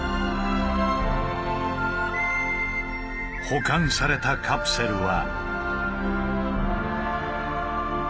保管されたカプセルは。